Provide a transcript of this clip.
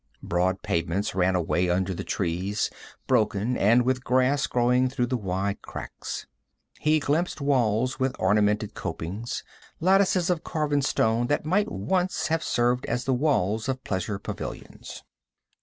Broad pavements ran away under the trees, broken, and with grass growing through the wide cracks. He glimpsed walls with ornamental copings, lattices of carven stone that might once have served as the walls of pleasure pavilions.